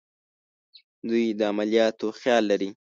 دوی د عملیاتو خیال لري.